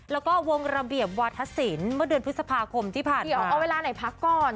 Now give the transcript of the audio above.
แล้วก็วงระเบียบวาธศิลป์เมื่อเดือนพฤษภาคมที่ผ่านมาเดี๋ยวเอาเวลาไหนพักก่อน